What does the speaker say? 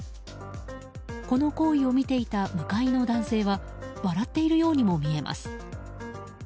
この行為を見ていた向かいの男性は笑っているようにも見えます。